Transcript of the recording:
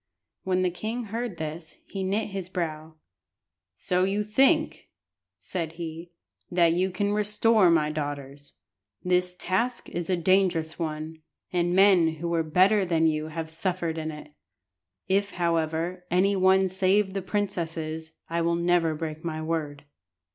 When the king heard this he knit his brow "So you think," said he, "that you can restore my daughters. The task is a dangerous one, and men who were better than you have suffered in it. If, however, any one save the princesses I will never break my word."